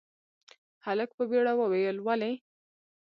هلک په بيړه وويل، ولې؟